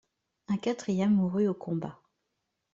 Un quatrième mourut au combat.